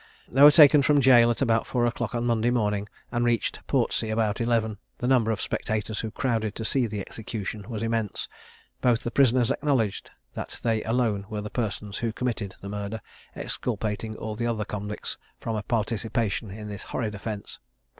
They were taken from jail at about four o'clock on Monday morning, and reached Portsea about eleven. The number of spectators who crowded to see the execution was immense. Both the prisoners acknowledged that they alone were the persons who committed the murder, exculpating all the other convicts from a participation in this horrid offence.